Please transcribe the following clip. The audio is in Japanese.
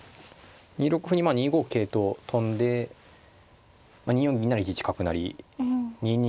２六歩に２五桂と跳んで２四銀なら１一角成２二